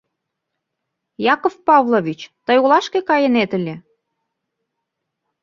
— Яков Павлович, тый олашке кайынет ыле?